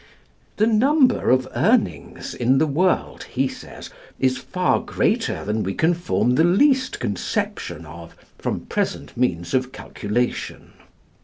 The number of Urnings in the world, he says, is far greater than we can form the least conception of from present means of calculation.